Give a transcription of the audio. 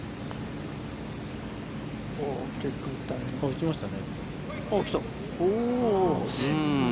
打ちましたね。来た。